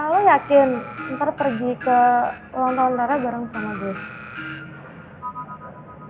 lo yakin ntar pergi ke lontong rara bareng sama gue